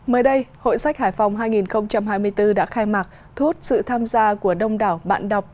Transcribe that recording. mới đây hội sách hải phòng hai nghìn hai mươi bốn đã khai mạc thu hút sự tham gia của đông đảo bạn đọc